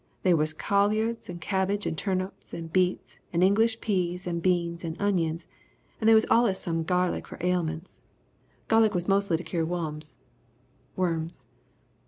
They was collards and cabbage and turnips and beets and english peas and beans and onions, and they was allus some garlic for ailments. Garlic was mostly to cure wums (worms).